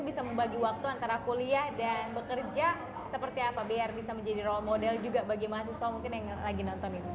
bekerja seperti apa biar bisa menjadi role model juga bagi mahasiswa mungkin yang lagi nonton itu